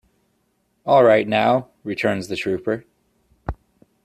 "All right now," returns the trooper.